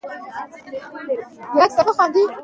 دا دستګاه مرسته کوي.